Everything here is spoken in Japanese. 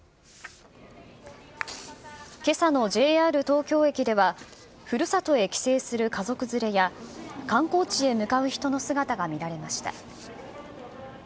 けさのＪＲ東京駅では、ふるさとへ帰省する家族連れや、観光地へ向かう人の姿が見られました。